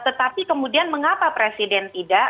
tetapi kemudian mengapa presiden tidak